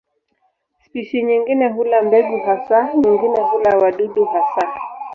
Spishi nyingine hula mbegu hasa, nyingine hula wadudu hasa.